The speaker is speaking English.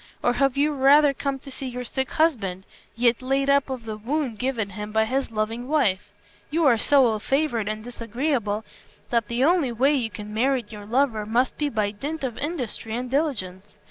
Or have you rather come to see your sick husband, yet laid up of the wound given him by his loving wife? You are so ill favored and disagreeable that the only way you can merit your lover must be by dint of industry and diligence.